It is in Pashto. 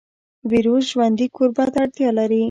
ویروس ژوندي کوربه ته اړتیا لري